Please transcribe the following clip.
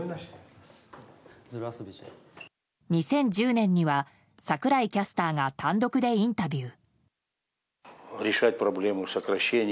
２０１０年には櫻井キャスターが単独でインタビュー。